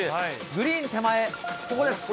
グリーン手前。